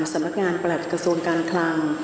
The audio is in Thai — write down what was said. สำนักงานประหลัดกระทรวงการคลัง